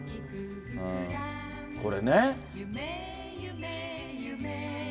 これね。